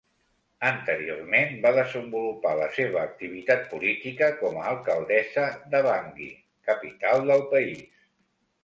Anteriorment va desenvolupar la seva activitat política com a alcaldessa de Bangui, capital del país.